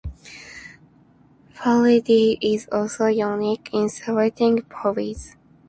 Faridi is also unique in selecting hobbies.